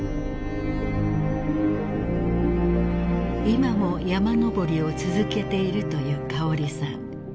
［今も山登りを続けているという香織さん］